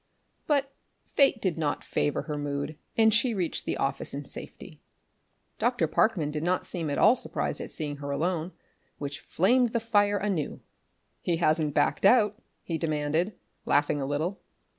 But fate did not favour her mood, and she reached the office in safety. Dr. Parkman did not seem at all surprised at seeing her alone, which flamed the fire anew. "He hasn't backed out?" he demanded, laughing a little.